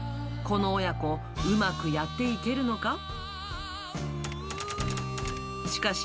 この親子、うまくやっていけるのか？